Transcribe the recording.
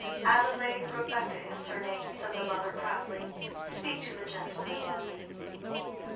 "Adelaide Rebekah is her name," said her mother, proudly. "Speak to the gentleman, lovey."